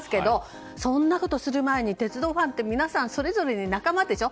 そんなことをする前に鉄道ファンって皆さんそれぞれ仲間でしょ。